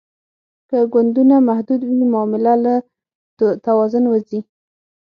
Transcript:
که ګوندونه محدود وي معامله له توازن وځي